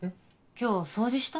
今日掃除した？